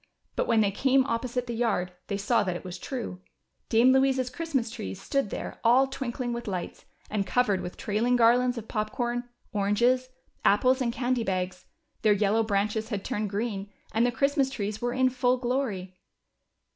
But Avhen they came oj^posite the yard, they saw that it Avas true. Dame Louisa's Christmas trees stood there all tAvinkling Avith lights, and covered Avith trailing garlands of pop corn, oranges, apples, and candy bags j their yellow branches had turned green and the Christ mas trees were in full glory.